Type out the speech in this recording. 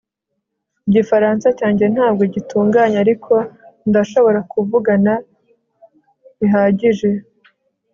Igifaransa cyanjye ntabwo gitunganye ariko ndashobora kuvugana bihagije